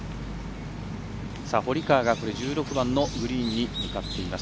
堀川が１６番のグリーンに向かっています。